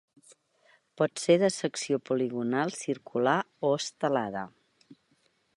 Pot ser de secció poligonal circular o estelada.